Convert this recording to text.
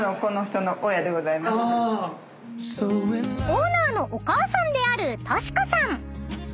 ［オーナーのお母さんである敬子さん］